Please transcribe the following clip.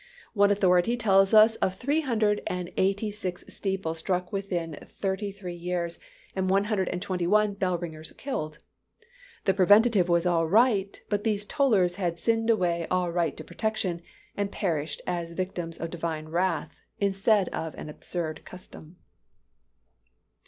One authority tells us of three hundred and eighty six steeples struck within thirty three years, and one hundred and twenty one bell ringers killed. The preventive was all right; but these tollers had sinned away all right to protection, and perished as victims of Divine wrath, instead of an absurd custom.